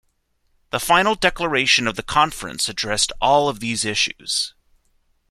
The Final Declaration of the conference addressed all of these issues.